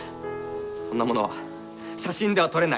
そんなものは写真では撮れない。